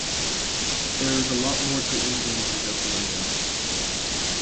There is a lot more to England than just London.